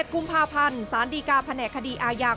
กุมภาพันธ์สารดีการแผนกคดีอาญา